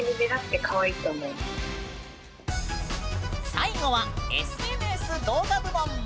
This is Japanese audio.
最後はＳＮＳ動画部門！